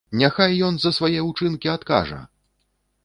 Няхай ён за свае ўчынкі адкажа!